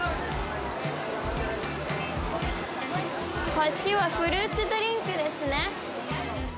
こっちはフルーツドリンクですね。